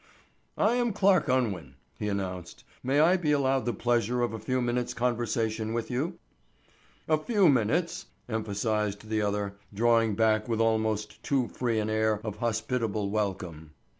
"I am Clarke Unwin," he announced. "May I be allowed the pleasure of a few minutes' conversation with you?" "A few minutes," emphasized the other, drawing back with almost too free an air of hospitable welcome.